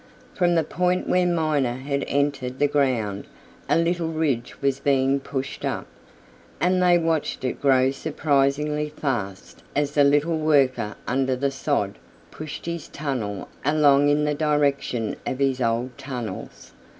From the point where Miner had entered the ground a little ridge was being pushed up, and they watched it grow surprisingly fast as the little worker under the sod pushed his tunnel along in the direction of his old tunnels.